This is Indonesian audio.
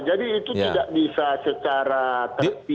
jadi itu tidak bisa secara terpisah